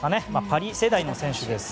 パリ世代の選手です。